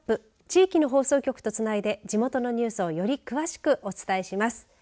地域の放送局とつないで地元のニュースをより詳しくお伝えします。